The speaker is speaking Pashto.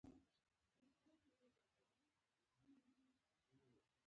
د ټکنالوجۍ پرمختګ د معلوماتو بهیر ګړندی کړی دی.